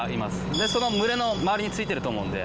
でその群れの周りについてると思うんで。